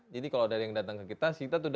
jadi kalau ada yang datang ke kita